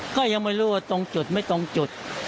ก็ยังไม่รู้ว่าตรงจุดไม่ตรงจุด